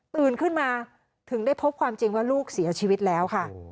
ขึ้นมาถึงได้พบความจริงว่าลูกเสียชีวิตแล้วค่ะ